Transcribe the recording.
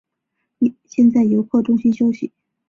先在游客中心休息